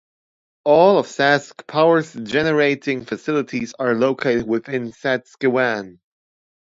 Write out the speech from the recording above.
All of SaskPower's generating facilities are located within Saskatchewan.